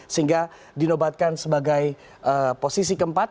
sehingga dinobatkan sebagai posisi keempat